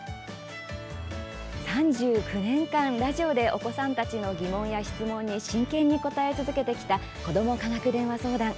３９年間、ラジオでお子さんたちの疑問や質問に真剣に答え続けてきた「子ども科学電話相談」。